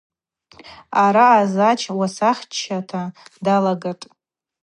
Араъа Зач уасахчата далагатӏ.